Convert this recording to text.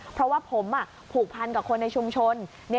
เพราะว่าผมผูกพันกับคนในชุมชน